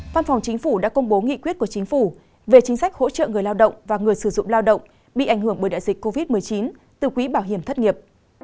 văn phòng chính phủ đã công bố nghị quyết của chính phủ về chính sách hỗ trợ người lao động và người sử dụng lao động bị ảnh hưởng bởi đại dịch covid một mươi chín từ quỹ bảo hiểm thất nghiệp